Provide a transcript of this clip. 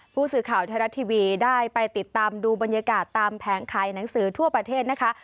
ผู้สื่อข่าวไทยรัฐทีวีได้ไปติดตามดูบรรยากาศตามแผงขายหนังสือทั่วประเทศนะคะ